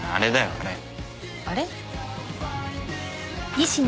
あれ？